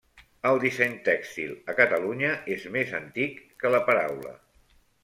El disseny tèxtil a Catalunya és més antic que la paraula.